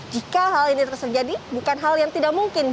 jika hal ini terjadi bukan hal yang tidak mungkin